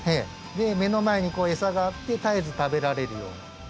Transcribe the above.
で目の前に餌があって絶えず食べられるように。